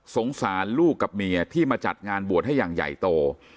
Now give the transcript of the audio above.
สงสารลูกกับเมียที่มาจัดงานบวชให้อย่างใหญ่โต